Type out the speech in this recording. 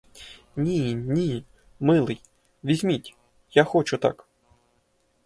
Ні, ні, милий, візьміть, я хочу так.